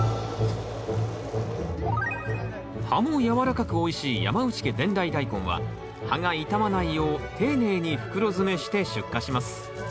葉も軟らかくおいしい山内家伝来大根は葉が傷まないよう丁寧に袋詰めして出荷します